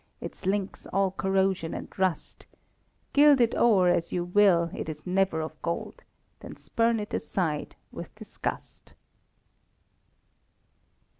Its links all corrosion and rust; Gild it o'er as you will, it is never of gold, Then spurn it aside with disgust_.